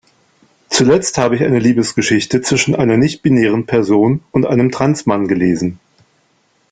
Zuletzt hab ich eine Liebesgeschichte zwischen einer nichtbinären Person und einem Trans-Mann gelesen.